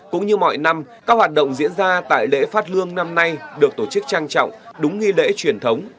cũng như mọi năm các hoạt động diễn ra tại lễ phát lương năm nay được tổ chức trang trọng đúng nghi lễ truyền thống